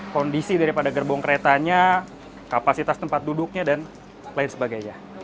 kondisi daripada gerbong keretanya kapasitas tempat duduknya dan lain sebagainya